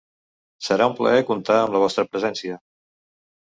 Serà un plaer contar amb la vostra presència.